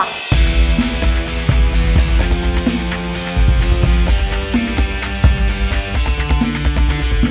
aku akan pernah menangkan dia